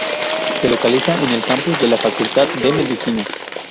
Se localiza en el campus de la Facultad de Medicina.